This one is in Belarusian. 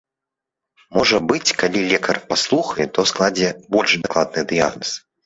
Можа быць, калі лекар паслухае, то складзе больш дакладны дыягназ.